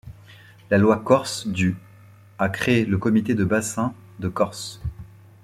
La Loi Corse du a créé le comité de bassin de Corse.